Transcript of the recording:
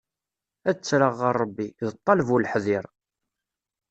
Ad ttreɣ ɣer Ṛebbi, d ṭṭaleb uleḥḍir.